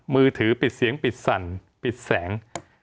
มือถือปิดเสียงปิดสั่นปิดแสง